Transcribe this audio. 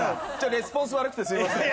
レスポンス悪くてすいません。